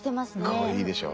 かわいいでしょ。